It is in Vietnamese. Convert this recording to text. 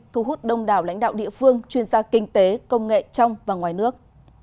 thu hút đông đảo lãnh đạo địa phương chuyên gia kinh tế công nghệ trong và ngoài nước